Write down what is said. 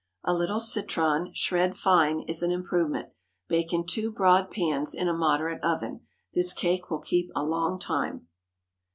A little citron, shred fine, is an improvement. Bake in two broad pans, in a moderate oven. This cake will keep a long time.